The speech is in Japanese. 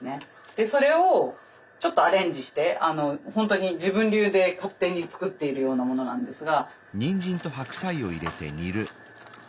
でそれをちょっとアレンジしてほんとに自分流で勝手に作っているようなものなんですが。